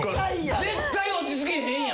絶対落ち着けへんやん。